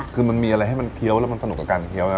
คือมันมีอะไรให้มันเคี้ยวแล้วมันสนุกกับการเคี้ยว